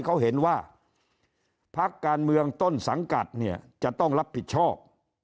เขาเห็นว่าพักการเมืองต้นสังกัดเนี่ยจะต้องรับผิดชอบ